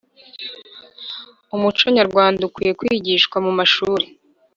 Umuco nyarwanda ukwiye kwigishwa mu mashuri